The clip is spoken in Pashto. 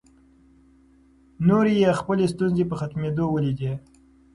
نورې یې خپلې ستونزې په ختمېدو لیدې.